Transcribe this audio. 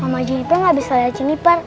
mama jennifer gak bisa liat jennifer